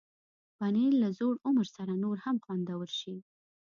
پنېر له زوړ عمر سره نور هم خوندور شي.